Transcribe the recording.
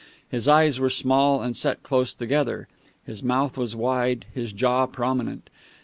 His eyes were small and set close together. His mouth was wide, his jaw prominent.